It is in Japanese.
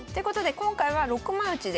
今回は六枚落ちで。